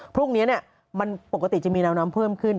พรุ่งนี้ปกติจะมีน้ำเพิ่มขึ้น